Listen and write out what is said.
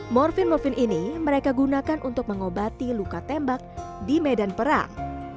morfin morfin ini mereka gunakan untuk mengobati luka tembak di medan perang